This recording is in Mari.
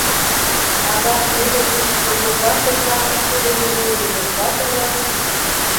Адак мӧдывуйышто коклан-коклан шудо йӧре регенчат уло.